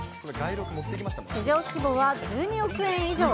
市場規模は１２億円以上。